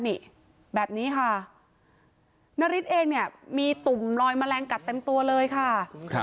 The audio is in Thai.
นี่แบบนี้ค่ะนาริสเองเนี่ยมีตุ่มลอยแมลงกัดเต็มตัวเลยค่ะ